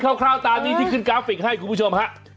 ร่าวตามนี้ที่ขึ้นกราฟิกให้คุณผู้ชมฮะ